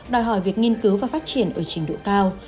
đòi hỏi việc nghiên cứu và phát triển ở trình độ cao